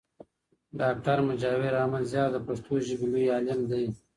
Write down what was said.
ډاکټر مجاور احمد زیار د پښتو ژبې لوی عالم دئ.